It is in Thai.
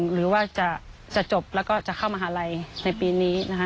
หรือว่าจะจบแล้วก็จะเข้ามหาลัยในปีนี้นะคะ